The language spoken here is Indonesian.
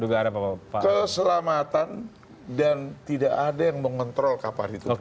keselamatan dan tidak ada yang mengontrol kapal itu